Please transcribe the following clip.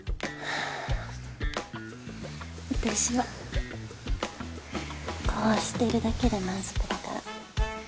私はこうしてるだけで満足だから。